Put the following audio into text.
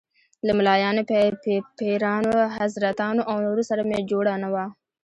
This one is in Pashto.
له ملايانو، پیرانو، حضرتانو او نورو سره مې جوړه نه وه.